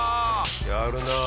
やるなあ。